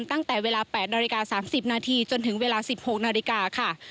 ตั้งแต่เวลา๘นาฬิกา๓๐นาทีจนถึงเวลา๑๖นาฬิกาค่ะ